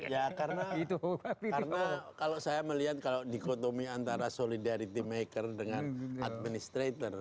ya karena kalau saya melihat kalau dikotomi antara solidarity maker dengan administrator